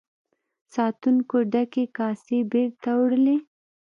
ساتونکو ډکې کاسې بیرته وړلې.